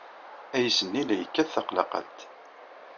Ayis-nni la yekkat taqlaqalt.